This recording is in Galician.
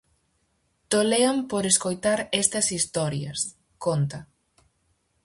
"Tolean por escoitar estas historias", conta.